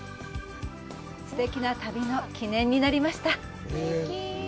すてきな旅の記念になりました。